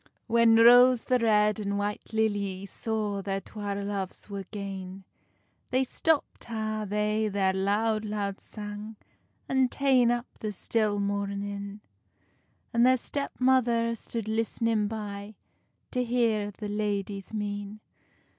When Rose the Red and White Lilly Saw their twa loves were gane, Then stopped ha they their loud, loud sang, And tane up the still moarnin; And their step mother stood listnin by, To hear the ladies' mean.